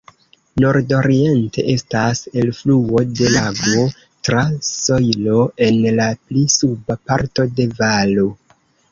Nordoriente estas elfluo de lago, tra sojlo en la pli suba parto de valo.